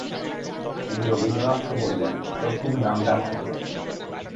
তিনি রবীন্দ্রনাথকে বললেন, ‘তোর খুব নামডাক হবে।